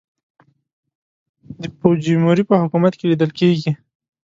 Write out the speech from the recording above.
د فوجیموري په حکومت کې لیدل کېږي.